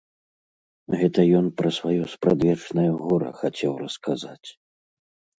Гэта ён пра сваё спрадвечнае гора хацеў расказаць.